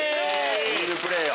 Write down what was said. チームプレーよ！